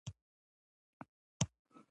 رسۍ کله نرۍ او کله غټه وي.